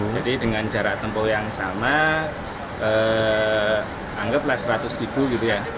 jadi dengan jarak tempoh yang sama anggaplah seratus ribu gitu ya